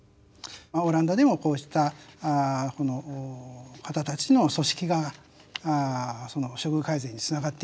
まあオランダでもこうしたこの方たちの組織がその処遇改善につながっていった。